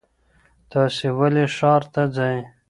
تاسو ولې ښار ته ځئ؟